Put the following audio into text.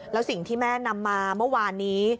แล้วสิ่งที่แม่นำมาเมื่อวานนี้